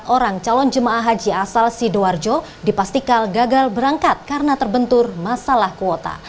empat orang calon jemaah haji asal sidoarjo dipastikan gagal berangkat karena terbentur masalah kuota